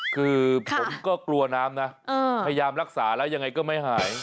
คือผมก็กลัวน้ำนะพยายามรักษาแล้วยังไงก็ไม่หาย